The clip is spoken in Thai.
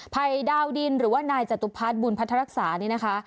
ภัยดาวดินหรือว่านายจตุพัฒน์บุญพัฒนารักษานี่นะคะ